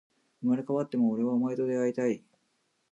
生まれ変わっても、俺はお前と出会いたい